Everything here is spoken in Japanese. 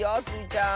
ちゃん。